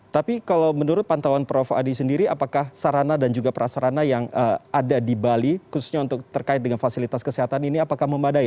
tapi kalau menurut pantauan prof adi sendiri apakah sarana dan juga prasarana yang ada di bali khususnya untuk terkait dengan fasilitas kesehatan ini apakah memadai